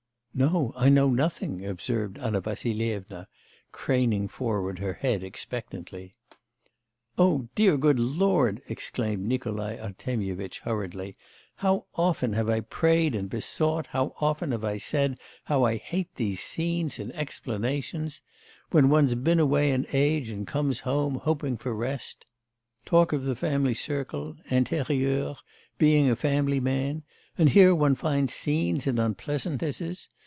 'No, I know nothing,' observed Anna Vassilyevna, craning forward her head expectantly. 'O Good Lord!' exclaimed Nikolai Artemyevitch hurriedly, 'how often have I prayed and besought, how often have I said how I hate these scenes and explanations! When one's been away an age, and comes home hoping for rest talk of the family circle, intérieur, being a family man and here one finds scenes and unpleasantnesses.